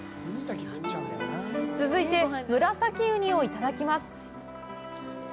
続いてムラサキウニをいただきます。